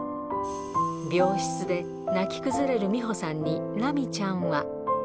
病室で泣き崩れる美保さんに、ラミちゃんは。